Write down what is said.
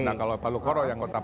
nah kalau palu koro yang kota